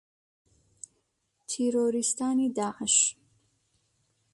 تیرۆریستانی داعش